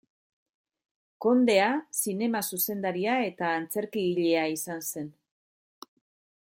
Kondea, zinema-zuzendaria eta antzerkigilea izan zen.